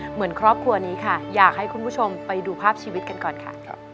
เหมือนครอบครัวนี้ค่ะอยากให้คุณผู้ชมไปดูภาพชีวิตกันก่อนค่ะ